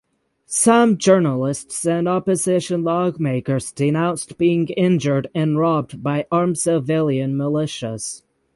Some journalists and opposition lawmakers denounced being injured and robbed by armed civilian militias.